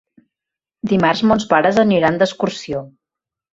Dimarts mons pares aniran d'excursió.